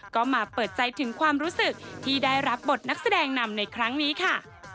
ก็มาเปิดใจถึงความรู้สึกที่ได้รับบทนักแสดงนำในครั้งนี้ค่ะ